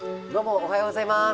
あおはようございます。